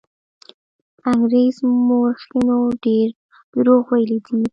انګرېز مورخینو ډېر دروغ ویلي دي.